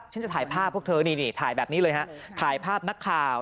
จะถ่ายภาพพวกเธอนี่นี่ถ่ายแบบนี้เลยฮะถ่ายภาพนักข่าว